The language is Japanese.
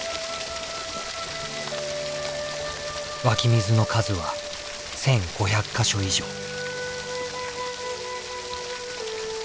湧き水の数は１，５００か所以上。